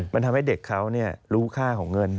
มันทำให้เด็กเขารู้ค่าของเงิน